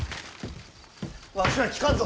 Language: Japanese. わしは、聞かんぞ！